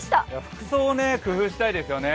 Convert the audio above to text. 服装を工夫したいですよね。